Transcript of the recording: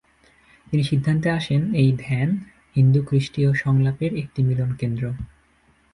তিনি সিদ্ধান্তে আসেন এই ধ্যান “হিন্দু-খ্রিস্টীয় সংলাপের একটি মিলনকেন্দ্র।